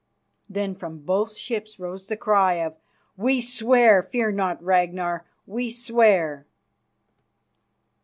Then from both ships rose the cry of "We swear! Fear not, Ragnar, we swear."